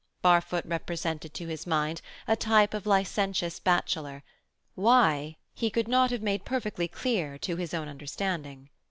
Barfoot represented to his mind a type of licentious bachelor; why, he could not have made perfectly clear to his own understanding.